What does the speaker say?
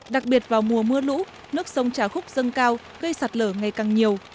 đặc biệt vào mùa mưa lũ nước sông trà khúc dâng cao gây sạt lở ngày càng nhiều